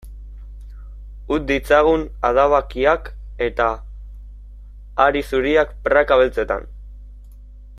Utz ditzagun adabakiak eta hari zuriak praka beltzetan.